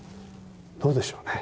どうでしょうね